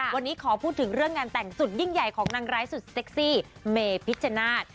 วันนี้ขอพูดถึงเรื่องงานแต่งสุดยิ่งใหญ่ของนางร้ายสุดเซ็กซี่เมพิชชนาธิ์